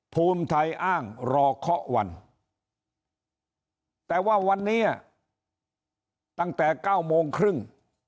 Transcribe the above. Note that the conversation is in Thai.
ภูมิไทยอ้างรอเคาะวันแต่ว่าวันนี้ตั้งแต่เก้าโมงครึ่ง